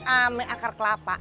ame akar kelapa